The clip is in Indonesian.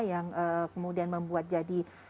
yang kemudian membuat jadi